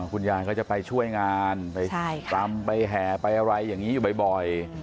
คุณยายก็จะไปช่วยงานไปรำไปแห่ไปอะไรอย่างนี้อยู่บ่อย